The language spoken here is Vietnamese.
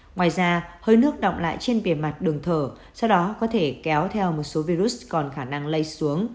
ngoài ra hơi nước động lại trên bề mặt đường thở sau đó có thể kéo theo một số virus còn khả năng lây xuống